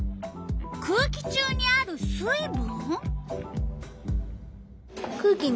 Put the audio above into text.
「空気中にある水分」？